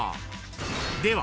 ［では